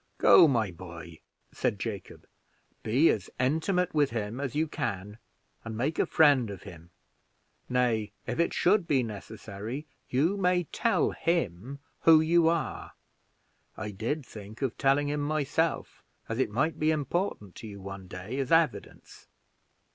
"Go, my boy," said Jacob; "be as intimate with him as you can, and make a friend of him nay, if it should be necessary, you may tell him who you are; I did think of telling him myself, as it might be important to you one day as evidence.